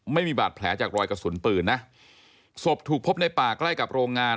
ไม่มีบาดแผลจากรอยกระสุนปืนนะศพถูกพบในป่าใกล้กับโรงงาน